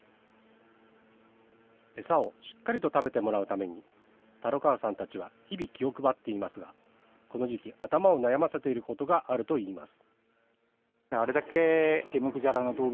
餌をしっかりと食べてもらうために樽川さんたちは日々、気を配っていますがこの時期頭を悩ませていることがあるといいます。